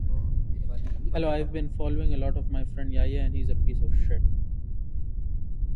The flat-tailed day gecko feeds on insects and nectar.